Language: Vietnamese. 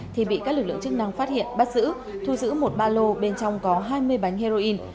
thì bị các lực lượng chức năng phát hiện bắt giữ thu giữ một ba lô bên trong có hai mươi bánh heroin